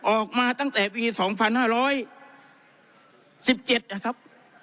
ออกมาตั้งแต่ปีสองพันห้าร้อยสิบเจ็ดนะครับ